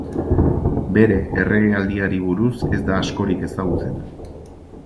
Bere erregealdiari buruz ez da askorik ezagutzen.